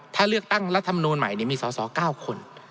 ถ้าเลือกตั้งรัฐมนูลใหม่มีสอสอ๙คน